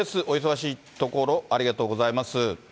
お忙しいところ、ありがとうございます。